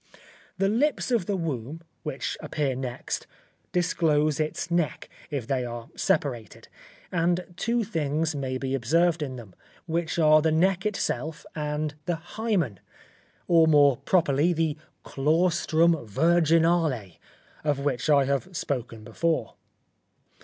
The lips of the womb, which appear next, disclose its neck, if they are separated, and two things may be observed in them, which are the neck itself and the hymen, or more properly, the claustrum virginale, of which I have spoken before.